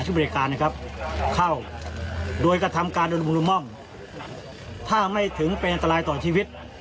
บริการนะครับเข้าโดยกระทำการโดยมุรุม่อมถ้าไม่ถึงเป็นอันตรายต่อชีวิต